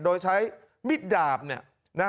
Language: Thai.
โดยใช้มิดดาบเนี่ย